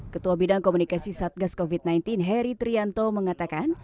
ketua bidang komunikasi satgas covid sembilan belas heri trianto mengatakan